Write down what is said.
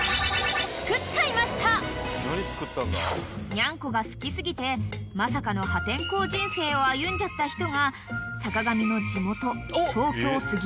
［にゃんこが好き過ぎてまさかの破天荒人生を歩んじゃった人が坂上の地元］